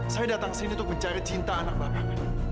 saya datang ke sini untuk mencari cinta anak bapak